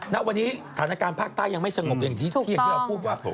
ณวันนี้สถานการณ์ภาคใต้ยังไม่สงบอย่างที่เราพูดว่าผม